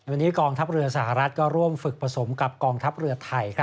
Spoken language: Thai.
วันนี้กองทัพเรือสหรัฐก็ร่วมฝึกผสมกับกองทัพเรือไทย